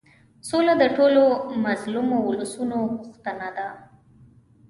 سوله د ټولو مظلومو اولسونو غوښتنه ده.